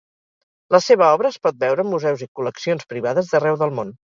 La seva obra es pot veure en museus i col·leccions privades d'arreu del món.